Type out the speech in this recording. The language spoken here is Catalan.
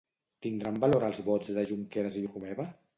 Tindran valor els vots de Junqueras i Romeva?